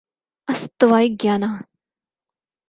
استوائی Guyana